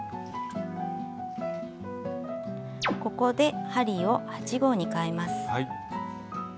ここで針を８／０号にかえます。